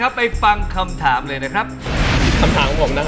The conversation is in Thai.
ขอบได้ขอบเยอะมาก